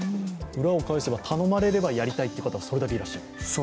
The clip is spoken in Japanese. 裏を返せば頼まれればやりたいという方がそれだけいらっしゃる。